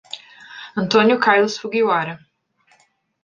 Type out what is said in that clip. Antônio Carlos Fugiwara